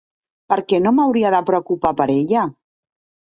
Per què no m'hauria de preocupar per ella?